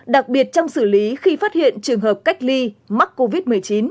đặc biệt trong xử lý khi phát hiện trường hợp cách ly mắc covid một mươi chín